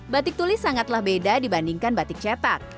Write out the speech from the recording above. batik tulis sangatlah beda dibandingkan batik cetak